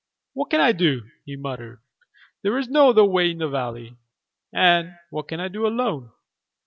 "What can I do?" he muttered. "There is no other way into the valley, and what can I do alone?"